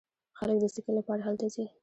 خلک د سکي لپاره هلته ځي.